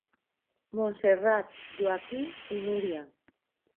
Montserrat, Joaquim i Núria.